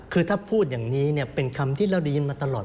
คือถ้าพูดอย่างนี้เป็นคำที่เราได้ยินมาตลอด